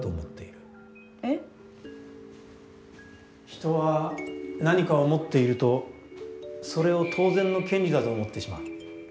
人は何かを持っているとそれを当然の権利だと思ってしまう。